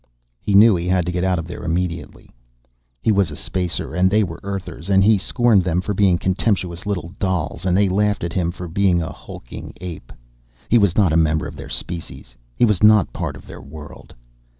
_ He knew he had to get out of there immediately. He was a Spacer, and they were Earthers, and he scorned them for being contemptuous little dolls, and they laughed at him for being a hulking ape. He was not a member of their species; he was not part of their world.